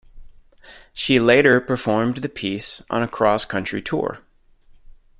She later performed the piece on a cross-country tour.